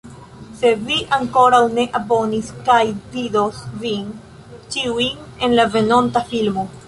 Se vi ankoraŭ ne abonis kaj vidos vin ĉiujn en la venonta filmo